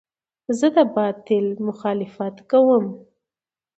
زه د باطل مخالفت کوم.